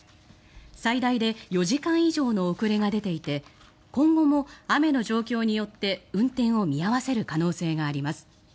最大で４時間以上の遅れが出ていて今後も雨の状況によって運転を見合わせる可能性があります。